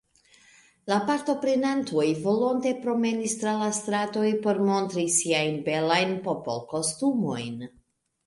La partoprenantoj volonte promenis tra la stratoj por montri siajn belajn popolkostumojn.